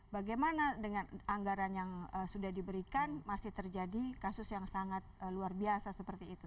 bagaimana dengan anggaran yang sudah diberikan masih terjadi kasus yang sangat luar biasa seperti itu